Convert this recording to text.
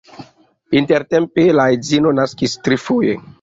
Intertempe la edzino naskis trifoje.